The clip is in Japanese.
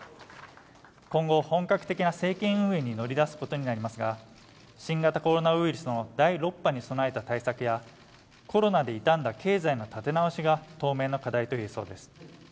今後本格的な政権運営に乗り出すことになりますが新型コロナウイルスの第６波に備えた対策や経済の立て直しが当面の課題といえそうです